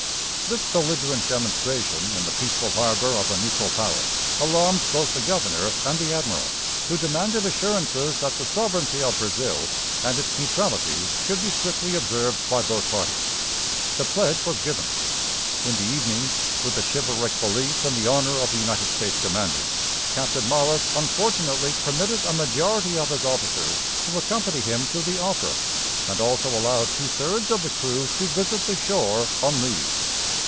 This belligerent demonstration in the peaceful harbor of a neutral power alarmed both the governor and the admiral, who demanded assurances that the sovereignty of Brazil and its neutrality should be strictly observed by both parties. The pledge was given. In the evening, with a chivalric belief in the honor of the United States commander, Captain Morris unfortunately permitted a majority of his officers to accompany him to the opera, and also allowed two thirds of the crew to visit the shore on leave.